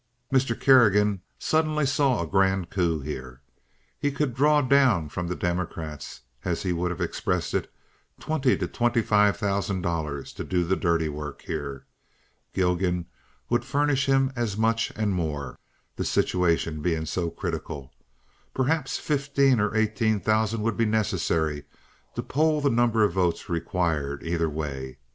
Mr. Kerrigan suddenly saw a grand coup here. He could "draw down" from the Democrats, as he would have expressed it, twenty to twenty five thousand dollars to do the dirty work here. Gilgan would furnish him as much and more—the situation being so critical. Perhaps fifteen or eighteen thousand would be necessary to poll the number of votes required either way.